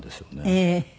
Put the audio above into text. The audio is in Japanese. ええ。